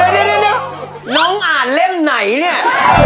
เดี๋ยวน้องอ่านเล่มไหนเนี่ย